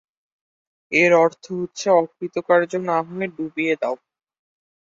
এর অর্থ হচ্ছে অকৃতকার্য না হয়ে ডুবিয়ে দাও।